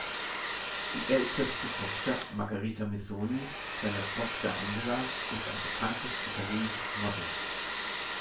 Die älteste Tochter Margherita Missoni seiner Tochter Angela ist ein bekanntes italienisches Model.